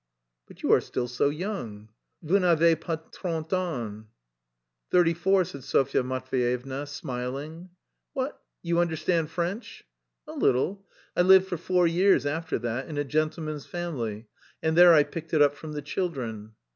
"But you are still so young, vous n'avez pas trente ans." "Thirty four," said Sofya Matveyevna, smiling. "What, you understand French?" "A little. I lived for four years after that in a gentleman's family, and there I picked it up from the children."